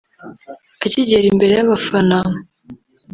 Akigera imbere y’abafana